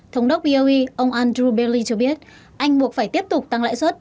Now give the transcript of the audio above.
thống đốc boe ông andrew bailey cho biết anh buộc phải tiếp tục tăng lãi suất